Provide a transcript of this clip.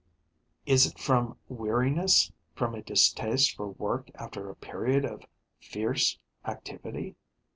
Is it from weariness, from a distaste for work after a period of fierce activity?